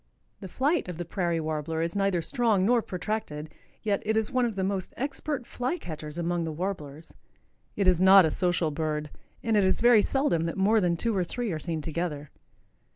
The flight of the Prairie Warbler is neither strong nor protracted. Yet it is one of the most expert fly catchers among the Warblers. It is not a social bird and it is very seldom that more than two or three are seen together.